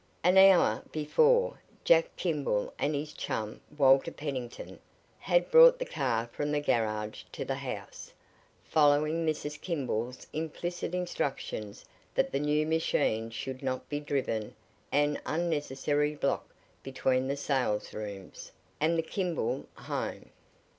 An hour, before, Jack Kimball and his chum Walter Pennington, had brought the car from the garage to the house, following Mrs. Kimball's implicit instructions that the new machine should not be driven an unnecessary block between the sales rooms and the Kimball home.